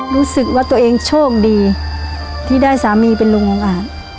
รู้สึกว่าตัวเองโชคดีที่ได้สามีไปลงโอกาส